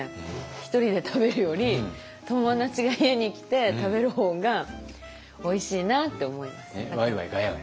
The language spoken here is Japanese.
一人で食べるより友達が家に来て食べる方がおいしいなって思います。